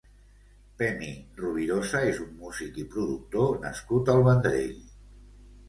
Pemi Rovirosa és un músic i productor nascut al Vendrell.